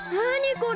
これ。